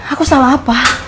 aku salah apa